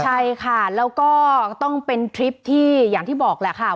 ใช่ค่ะแล้วก็ต้องเป็นทริปที่อย่างที่บอกแหละค่ะ